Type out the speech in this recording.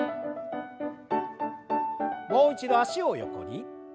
もう一度脚を横に。